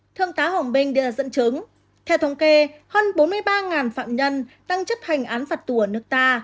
thương tá hồng binh đưa ra dẫn chứng theo thống kê hơn bốn mươi ba phạm nhân đang chấp hành án phạt tù ở nước ta